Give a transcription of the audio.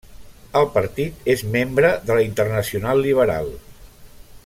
El partit és membre de la Internacional Liberal.